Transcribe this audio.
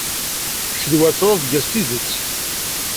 Kečč d war ttṛebga s tidet.